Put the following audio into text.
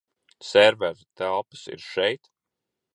Servera telpas ir šeit?